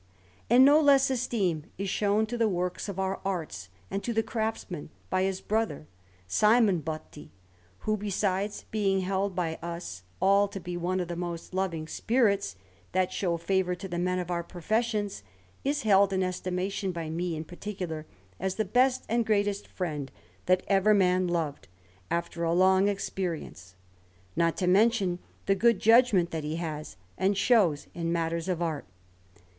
And no less esteem is shown to the works of our arts and to the craftsmen by his brother, Simon Botti, who, besides being held by us all to be one of the most loving spirits that show favour to the men of our professions, is held in estimation by me in particular as the best and greatest friend that ever man loved after a long experience; not to mention the good judgment that he has and shows in matters of art.